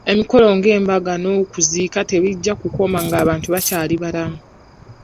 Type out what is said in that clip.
Emikolo nga embaga n'okuziika tegijja kukoma nga abantu bakyali balamu.